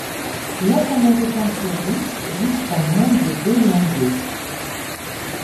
Neuf Américains sur dix vivent à moins de de l'un d'eux.